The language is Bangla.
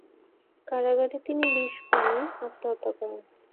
কারাগারে তিনি বিষপানে আত্মহত্যা করেন।